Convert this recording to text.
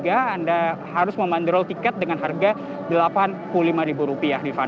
anda harus memanderol tiket dengan harga delapan puluh lima rupiah